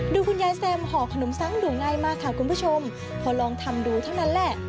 คุณยายแซมห่อขนมซังดูง่ายมากค่ะคุณผู้ชมพอลองทำดูเท่านั้นแหละ